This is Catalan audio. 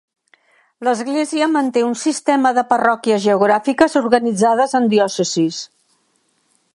L'església manté un sistema de parròquies geogràfiques organitzades en diòcesis.